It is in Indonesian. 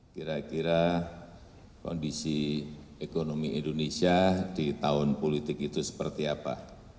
kira kira kondisi ekonomi indonesia di tahun politik itu seperti apa